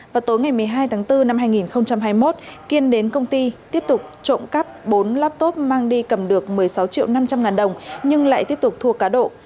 vào tối ngày một mươi hai tháng bốn năm hai nghìn hai mươi một kiên đến công ty tiếp tục trộm cắp bốn laptop mang đi cầm được một mươi sáu triệu năm trăm linh ngàn đồng nhưng lại tiếp tục thua cá độ